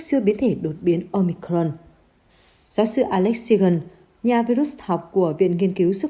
siêu biến thể đột biến omicron giáo sư alex seagan nhà virus học của viện nghiên cứu sức